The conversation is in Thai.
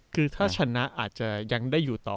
คือถ้าชนะอาจจะยังได้อยู่ต่อ